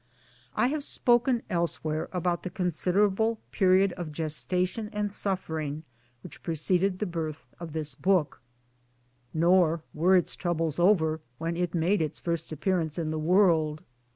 I have spoken elsewhere about the considerable period of gestation and suffering which preceded the birth of this book ; nor were its troubles over when it made its first appearance in the world.